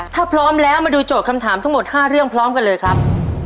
ถ้าพร้อมแล้วมาดูโจทย์คำถามทั้งหมด๕เรื่องพร้อมกันเลยครับ